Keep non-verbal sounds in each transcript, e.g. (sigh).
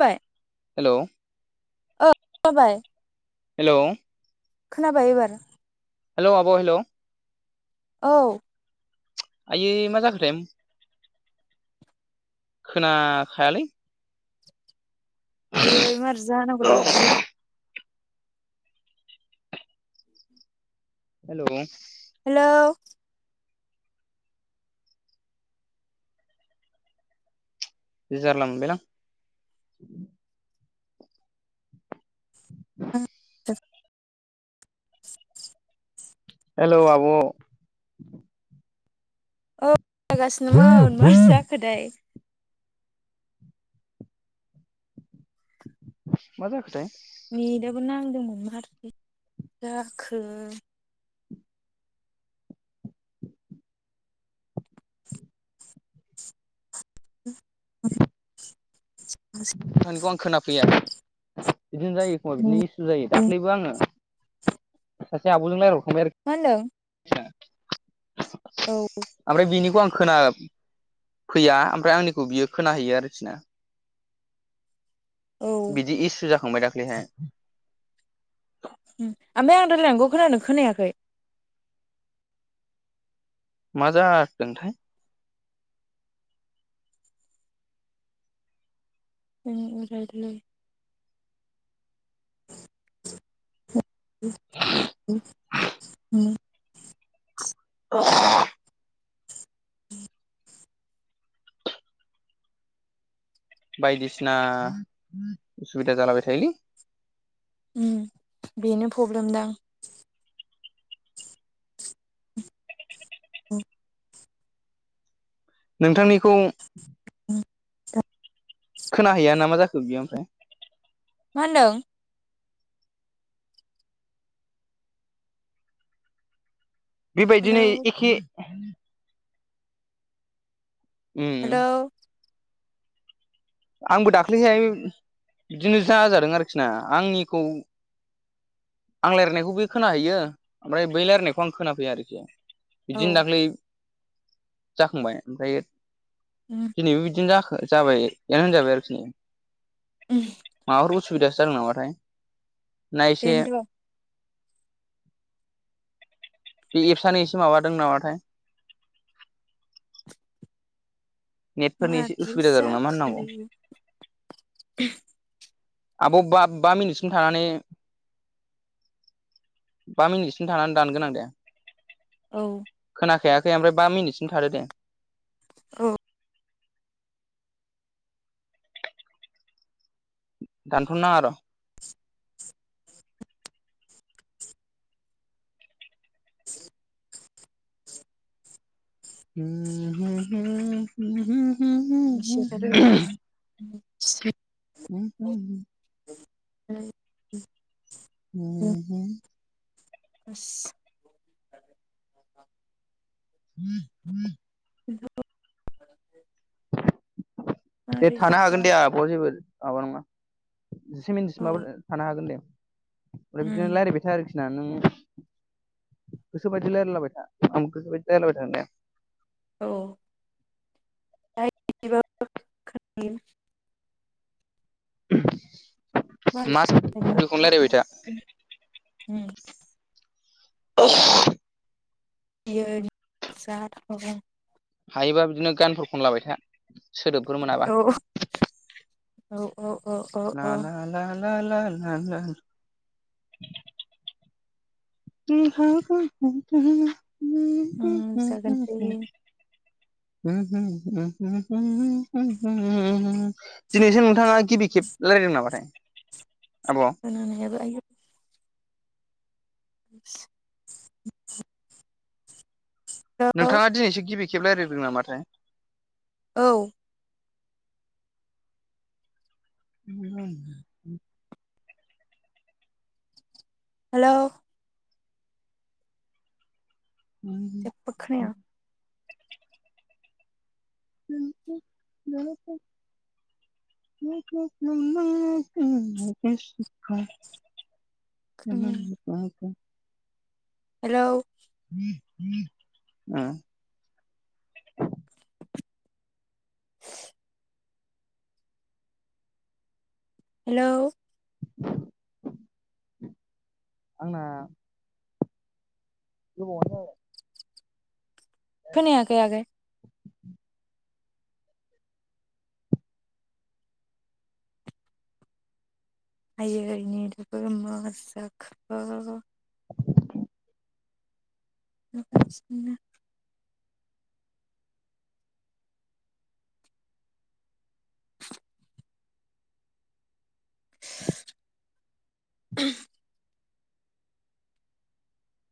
बाय हेल' ओ खोमाबाय। हेल' खोनाबाय एबार। हेल' आब' हेल'? औ। आयै मा जाखोथाय? खोनाखायालै। आयै मारै जानांगौ दे इदिजों हेल' हेल' बे जारला मोनबायलां आ (unintelligible) हेलौ आब'? औ जागासिनोमोन मा जाखोदाय? माजाखोथाय? नेदाबो नांदोंमोन मारै जाखो। (inaudible) नोंथांनिखौ आं खोनाफैया बिदिनो जायो एखमबा मा बिदिनो जायो दाख्लैबो आङो सासे आब'जों रायलायहरखांबाय आरोखि मा हीनदों। आ ओमफ्राय बिनिखौ आं खोना फैया ओमफ्राय आंनिखौ बियो खोनाहैयो आरोखि ना औ बिदि इसु जाखांबाय दाख्लैहाय ओमफ्राय आं रायलायनायखौ खोनादोंना खोनायाखै मा जागोनथाय जों उरायलै (inaudible) (inaudible) (inaudible) बायदिसिना उसुबिदा जालाबाय थायोलै ओम बेनो प्रब्लेम दां नोंथांनिखौ (inaudible) खोनाहैया ना मा जाखो बियो ओमफ्राय मा होनदों हेलौ बेबायदिनो एखे हेल' आंबो दाख्लैहाय बिदिनो जाजादों आरोखिना आंनिखौ आं रायलायनायखौ बै खोनाहैयो ओमफ्राय बै रायलायनायखौ आं खोनाफैया आरोखि औ बिदिनो दाख्लै जाखांबाय ओमफ्राय ओम दिनैबो बिदिनो जाखो जाबाय होनजाबाय आरोखि (inaudible) माबाफोर उसुबिदासो जादों नामाथाय ना एसे बेनोथ' बे एबसानि एसे माबादों नामाथाय नेटफोरनि एसे मारै उसुबिदा जादों नामा जाखो होननांगौ आब' बा-बा मिनिटसिम थानानै बा मिनिटसिम थानानै दानगोन आं दे औ खोनाखायाखै ओमफ्राय बा मिनिटसिम थादो दे औ दानथनो नांआ र (inaudible) ह ह ह (inaudible) (unintelligible) (inaudible) (inaudible) (unintelligible) (unintelligible) (inaudible) (inaudible) दे थानो हागोन दे आब जेबो माबा नङा जिसे औ मिनिटसिमबाबो थानो हागोन दे अदि ल थ आरोखिना नों गोसोबायदि रायलायलाबाय था आं गोसोबायदि रायलायलाायबाय थादों दा औ। (unintelligible) (unintelligible) (unintelligible) (unintelligible) हायोबा बिदिनो गानफोर खनलाबाय था सोदोबफोर मोनाबा। औ औ औ औ औ। ला ला ला ला ला (unintelligible) (inaudible) (inaudible) जागोन दे दिनैसो नोंथाङा गिबि खेब रायलायदों नामाथाय आब'। (unintelligible) (unintelligible) हेलौ नोंथाङा दिनैसो गिबि खेब रायलायदों नामाथाय। औ। (inaudible) हेलौ। जेबो खोनाया। (unintelligible) (inaudible) (inaudible) हेलौ। (unintelligible) हेलौ। आंना गोबावानो जाबाय खोनायाखै आगै। आयै नेदाबो मा जाखो (unintelligible) (unintelligible)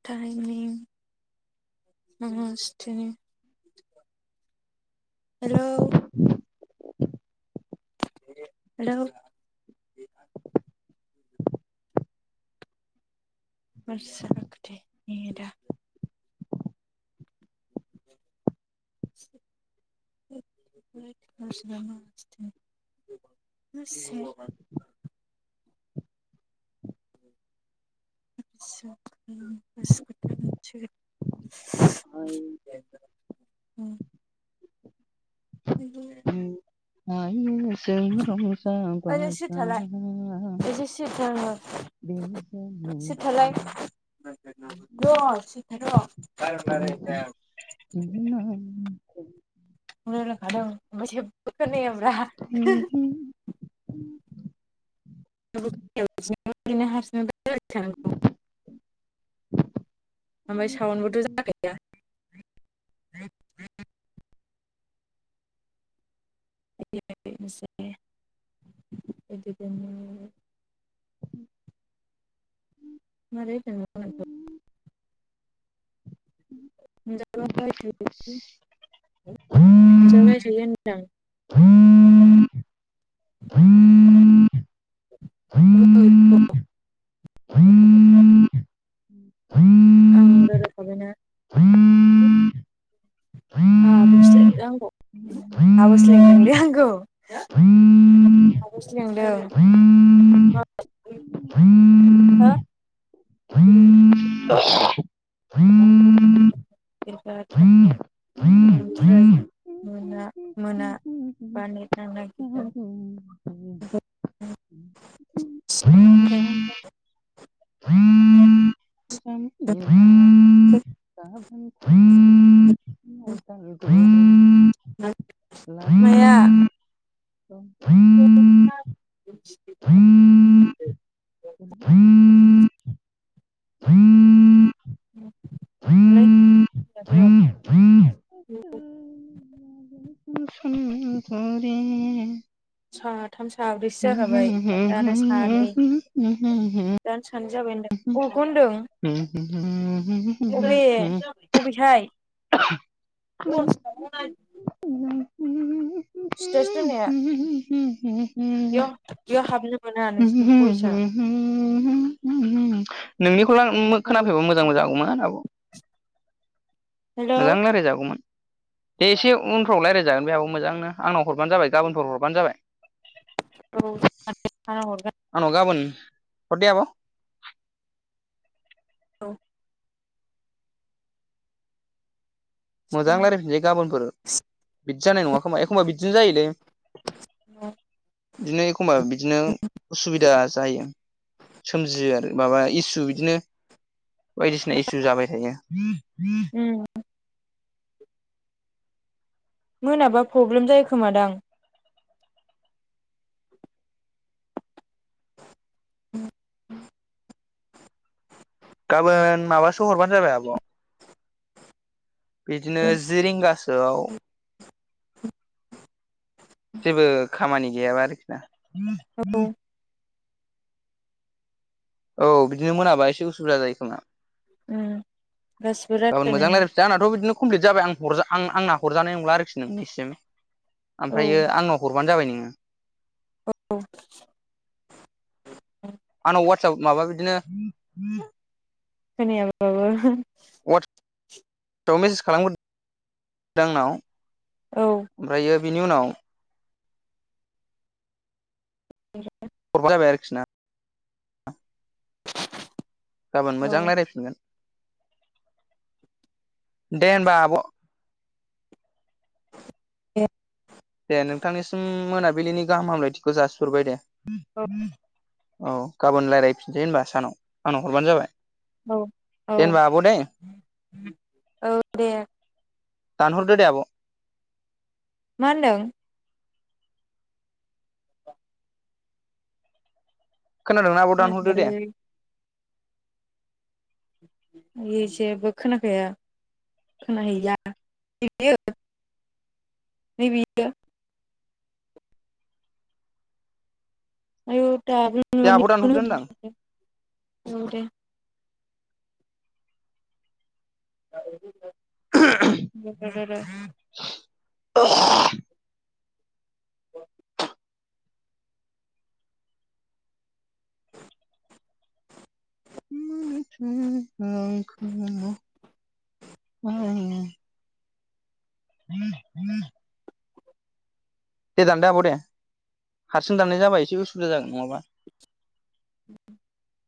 टाइमिं नमस्ते। हेलौ। (inaudible) हेलौ। मा जाखोथाइ नेदा (inaudible) (unintelligible) (unintelligible) उ बि (inaudible) (unintelligible) जों रंजा बाजा बेसे जानल बि (unintelligible) (inaudible) (unintelligible) ओमफाय जेबबो खोनायाब्रा (unintelligible) (unintelligible) (unintelligible) (unintelligible) (unintelligible) औ आं रजायाखाबायना आ बस नौ आाब स लंदोंलै आंगौ मसि लंदो औ म होा द (unintelligible) बिब थाखा ओमफ्राय मोना मोना बानिना गद (unintelligible) द द ह औ म माया (unintelligible) हालै जद' मसधुरि साथाम साब्रैसो जाखाबाय दानो सानै दानो सानो जाबाय होनदों अरगोन होनदों अबे अबेथाय स्टेस दा बेयाव बेयाव हाबनो मोना नोंसिनि फैसा नोंनिखौल ओमफ्राय खोनाफैबा मोजांबो जागौमोन आब' हेलौ मोजां राय रायजागौमोन दे एसे उन फोराव राय्लायजागोन (unintelligible) आंनाव हरबानो जाब गाबोनफोर हबानो जाबाय औ हगोन आंन गाबोन हरदे आब' औ मोजां रायजलायफिनसैाबोनफोर बिदि जानाय नङा खोमा एखमबा बिदिनो जायोलै औ बिदिनो एखमबा बिदिनो उसुबिदा जायो सोमजियो आरो माबा इसु बिदिनो बायदिसिना इसु जाबाय थायो उम मोनाबा प्रब्लेम जायो खोमादां औ गाबोन माबासोआव हरबानो जाबाय आब' बिदिनो उम जि रिंगासोआव जेबो खामानि गैयाबा आरोखि ना। औ बिदिनो मोनाबा एसे उसुबिदा जायोखोमा। गासिबो गाबोन मोजां रायलायनोनो रायज्लायफिनसै आंनाथ' बिदिनो कमप्लिट जाबाय आं हरजा आं आंना हरजानाय नंला आरोखि नोंनिसिम औ ओमफ्रायो आंनाव हरबानो जाबाय नोङो। औ। आंनाव वाटसाप माबा बिदिनो खोनाया (unintelligible) (unintelligible) औ ओमफ्रायो बिनि उनाव बे (unintelligible) गाबोन औ मोजां रायज्लायफिनगोन दे होनोमबा आब' ए दे नोंथांनिसिम मोनाबिलिनि गाहाम हामलायथिखौ जासिहरबाय दे औ औ। गाबोन रायलायफिनसै होमबा सानाव आंनाव हरबानो जाबाय। औ-औ-औ दे। दानहरदोदि आब'। मा होनदों। खोनादों ना आब' दानहरदो दे। खोनाखायालै आयै जेबो खोनाखाया। खोनाहैला नै बियो नै बियो। आयु दाबो (unintelligible) ओ दे। (unintelligible) (inaudible) (unintelligible) (inaudible) (inaudible) दे दानदो आब' दे हारसिं दाननाय जाबाय एसे उसुबिदा जागोन नङाबा। (unintelligible)